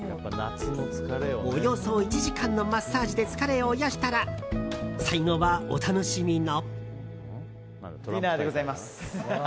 およそ１時間のマッサージで疲れを癒やしたら最後は、お楽しみの。